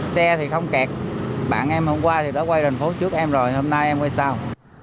xe thì không kẹt bạn em hôm qua thì đã quay thành phố trước em rồi hôm nay em quay sau